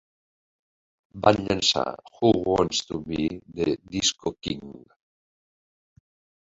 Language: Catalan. Van llançar Who Wants to Be the Disco King?